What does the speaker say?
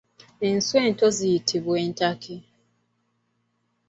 Enswa ento ziyitibwa entakke.